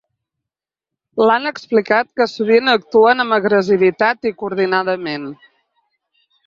I, han explicat que sovint actuen amb agressivitat i coordinadament.